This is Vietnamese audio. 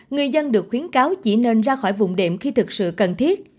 người dân được khuyến cáo chỉ nên ra khỏi vùng đệm khi thực sự cần thiết